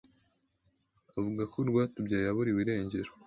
avuga ko Rwatubyaye yaburiwe irengero